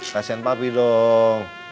kasian papi dong